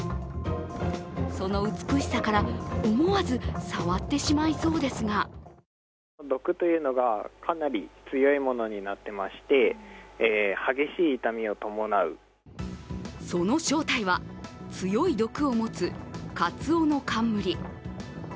その美しさから、思わず触ってしまいそうですがその正体は、強い毒を持つカツオノカンムリ。